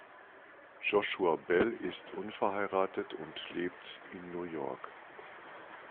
Joshua Bell ist unverheiratet und lebt in New York.